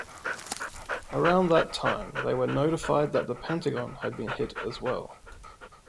Around that time, they were notified that The Pentagon had been hit as well.